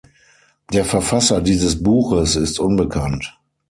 Der Verfasser dieses Buches ist unbekannt.